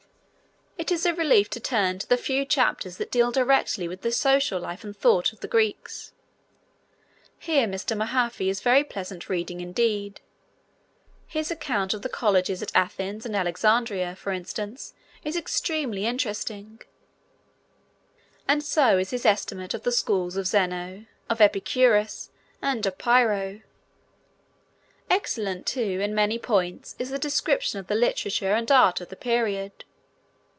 It is a relief to turn to the few chapters that deal directly with the social life and thought of the Greeks. Here Mr. Mahaffy is very pleasant reading indeed. His account of the colleges at Athens and Alexandria, for instance, is extremely interesting, and so is his estimate of the schools of Zeno, of Epicurus, and of Pyrrho. Excellent, too, in many points is the description of the literature and art of the period.